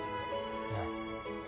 いや。